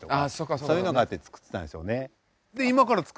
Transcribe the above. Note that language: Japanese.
そういうのがあって作ってたんでしょうね。